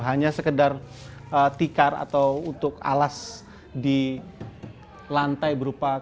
hanya sekedar tikar atau untuk alas di lantai berupa